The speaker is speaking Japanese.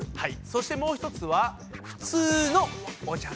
そしてもう１つは普通のお茶